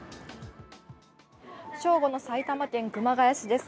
正午の埼玉県熊谷市です。